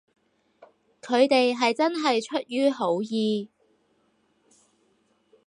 佢哋係真係出於好意